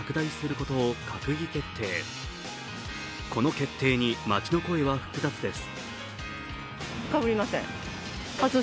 この決定に、街の声は複雑です。